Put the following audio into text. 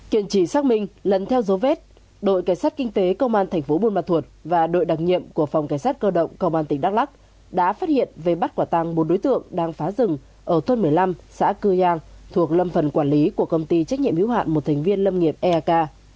kiện chỉ xác minh lần theo dấu vết đội cảnh sát kinh tế công an thành phố buôn ma thuột và đội đặc nhiệm của phòng cảnh sát cơ động công an tỉnh đắk lắc đã phát hiện về bắt quả tăng một đối tượng đang phá rừng ở thôn một mươi năm xã cư giang thuộc lâm phần quản lý của công ty trách nhiệm hữu hạn một thành viên lâm nghiệp eak